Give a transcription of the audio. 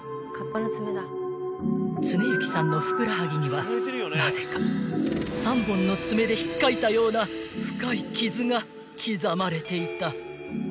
［常幸さんのふくらはぎにはなぜか３本の爪で引っかいたような深い傷が刻まれていた］